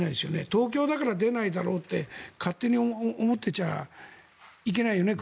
東京だから出ないだろうって勝手に思ってちゃいけないよね